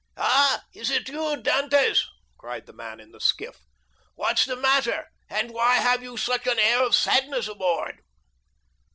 "Ah, is it you, Dantès?" cried the man in the skiff. "What's the matter? and why have you such an air of sadness aboard?"